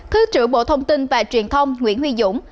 thứ trưởng bộ thông tin và truyền thông nguyễn huy dũng